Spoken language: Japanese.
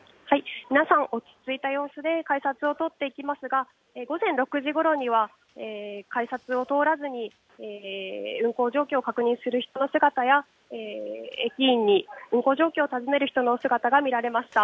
皆さん、落ち着いた様子で改札を通っていきますが、午前６時ごろには、改札を通らずに運行状況を確認する人の姿や、駅員に運行状況を尋ねる人の姿が見られました。